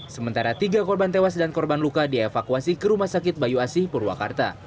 sementara tiga korban tewas dan korban luka dievakuasi ke rumah sakit bayu asih purwakarta